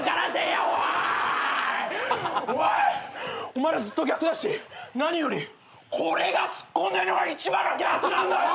お前らずっと逆だし何よりこれがツッコんでるのが一番の逆なんだよ！